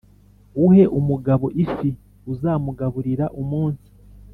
uhe umugabo ifi uzamugaburira umunsi